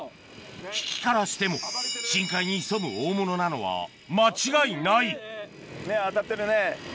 引きからしても深海に潜む大物なのは間違いないアタってるね。